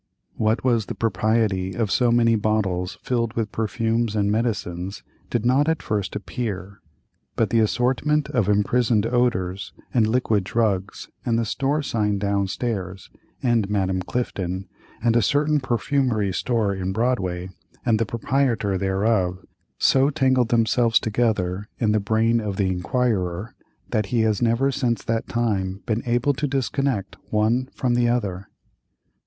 What was the propriety of so very many bottles filled with perfumes and medicines did not at first appear; but the assortment of imprisoned odors, and liquid drugs, and the store sign down stairs, and Madame Clifton, and a certain perfumery store in Broadway, and the proprietor thereof, so tangled themselves together in the brain of the inquirer that he has never since that time been able to disconnect one from the other.